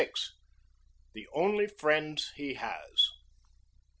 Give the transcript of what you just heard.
"THE ONLY FRIENDS HE HAS."